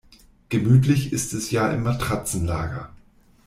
Gemütlich ist es ja im Matratzenlager.